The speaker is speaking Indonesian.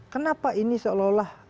kenapa ini seolah olah